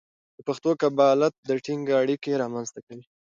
د پښتو قبالت د ټینګه اړیکه رامنځته کوي.